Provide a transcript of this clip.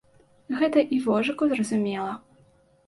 Гэта і вожыку зразумела.